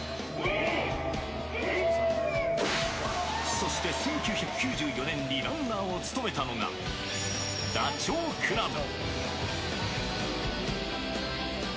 そして１９９４年にランナーを務めたのが、ダチョウ倶楽部。